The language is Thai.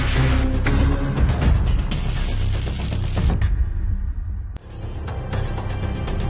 สุดท้ายสุดท้ายสุดท้าย